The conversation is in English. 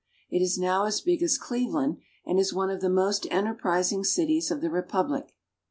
It is now as big as Cleve land, and is one of the most enterprising cities of the republic.